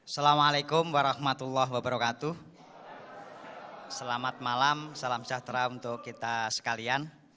selamat malam salam sejahtera untuk kita sekalian